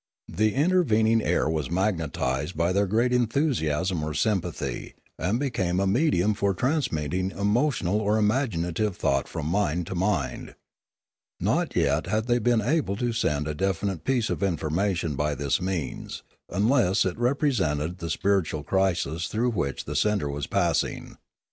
The intervening air was magnetised by their great enthusiasm or sympathy, and became a medium for transmitting emotional or imaginative thought from mind to mind. Not yet had they been able to send a definite piece of information by this means, unless it represented the spiritual crisis through which the sender was passing.